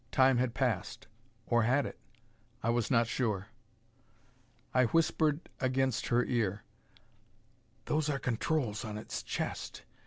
Time had passed; or had it? I was not sure. I whispered against her ear, "Those are controls on its chest.